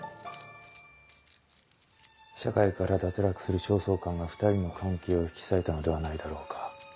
社会から脱落する焦燥感が２人の関係を引き裂いたのではないだろうか。